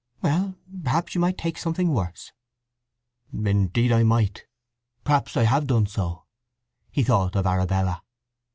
"Well, perhaps you might take something worse." "Indeed I might. Perhaps I have done so!" He thought of Arabella.